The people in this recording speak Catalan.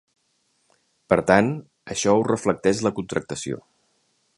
Per tant, això ho reflecteix la contractació.